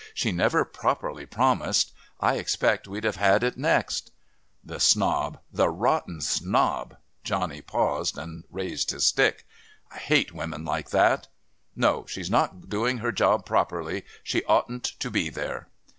She never properly promised. I expect we'd have had it next." "The snob, the rotten snob!" Johnny paused and raised his stick. "I hate women like that. No, she's not doing her job properly. She oughtn't to be there."